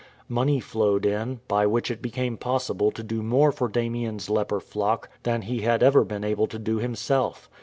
Money flowed in, by which it became possible to do much more for Damien's leper flock than he had ever been able to do himself.